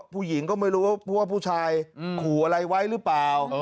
ผู้หญิงก็ไม่รู้ว่าผู้ชายขู่อะไรไว้หรือเปล่า